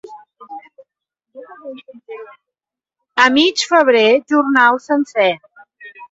A mig febrer, jornal sencer.